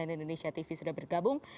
dan indonesia tv sudah bergabung